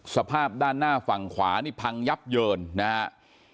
สภาพด้านหน้าฝั่งขวานี่พังยับเยินนะครับ